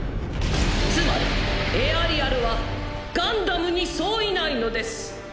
つまりエアリアルはガンダムに相違ないのです。